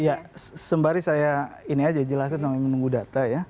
ya sembari saya ini aja jelasin nanti menunggu data ya